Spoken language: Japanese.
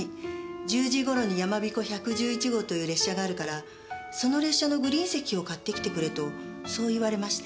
１０時頃にやまびこ１１１号という列車があるからその列車のグリーン席を買ってきてくれとそう言われまして。